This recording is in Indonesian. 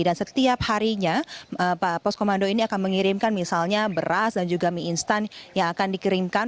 dan setiap harinya poskomando ini akan mengirimkan misalnya beras dan juga mie instan yang akan dikirimkan